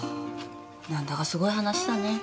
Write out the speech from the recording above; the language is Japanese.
何だかすごい話だね。